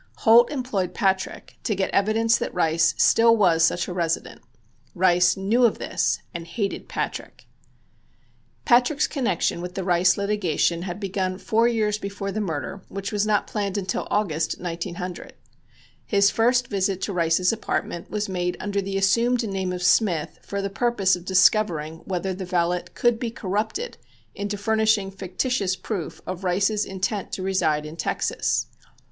Holt employed Patrick to get evidence that Rice still was such a resident. Rice knew of this and hated Patrick. Patrick's connection with the Rice litigation had begun four years before the murder, which was not planned until August, 1900, His first visit to Rice's apartment was made under the assumed name of Smith for the purpose of discovering whether the valet could be corrupted into furnishing fictitious proof of Rice's intent to reside in Texas.